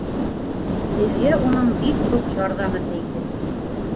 — Беҙгә уның бик күп ярҙамы тейҙе.